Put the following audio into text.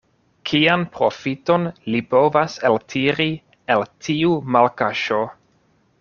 Kian profiton li povas eltiri el tiu malkaŝo?